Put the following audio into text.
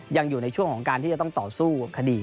ยังอยู่ในช่วงที่ต้องต่อสู้ข้าวคดี